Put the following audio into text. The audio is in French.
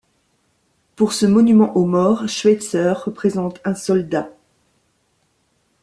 Pour ce monument aux morts, Schweitzer représente un soldat.